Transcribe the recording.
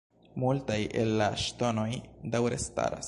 Multaj el la ŝtonoj daŭre staras.